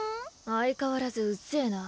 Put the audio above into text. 相変わらずうっぜな。